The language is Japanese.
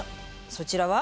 そちらは？